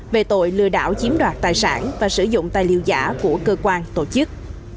về tội lừa đảo chiếm đoạt tài sản và sử dụng tài liệu giả của cơ quan tổ chức